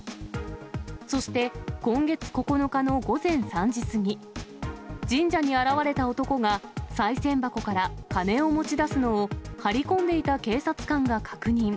そして、今月９日の午前３時過ぎ、神社に現れた男が、さい銭箱から金を持ち出すのを、張り込んでいた警察官が確認。